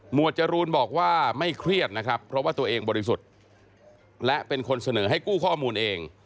จรูนบอกว่าไม่เครียดนะครับเพราะว่าตัวเองบริสุทธิ์และเป็นคนเสนอให้กู้ข้อมูลเอง